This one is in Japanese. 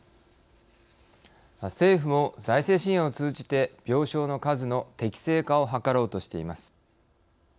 政府も財政支援を通じて病床の数の適正化を図ろうとしています。